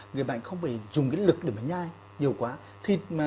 người bệnh không phải dùng cái lực để mà nhai